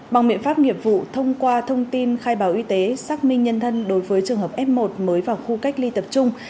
bằng biện pháp nghiệp vụ thông qua thông tin khai báo y tế xác minh nhân thân đối với trường hợp f một mới vào khu cách ly tập trung